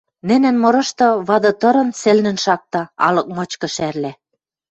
Нӹнӹн мырышты вады тырын сӹлнын шакта, алык мычкы шӓрлӓ.